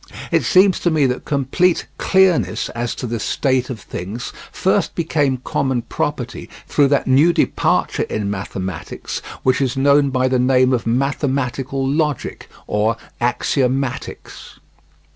It seems to me that complete clearness as to this state of things first became common property through that new departure in mathematics which is known by the name of mathematical logic or "Axiomatics."